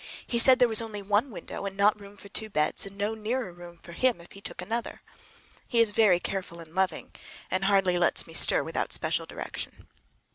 He said there was only one window and not room for two beds, and no near room for him if he took another. He is very careful and loving, and hardly lets me stir without special direction.